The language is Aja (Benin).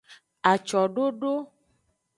Acododo.